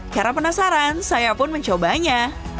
karena penasaran saya pun mencobanya